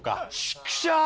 チクショー！